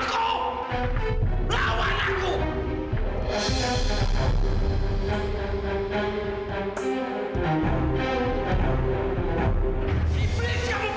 tadi cukup cukup